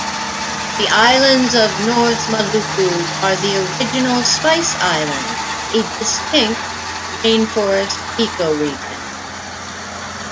The islands of North Maluku are the original Spice Islands, a distinct rainforest ecoregion.